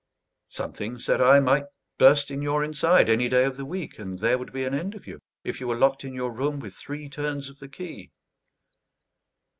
"Something," said I, "might burst in your inside any day of the week, and there would be an end of you, if you were locked in your room with three turns of the key."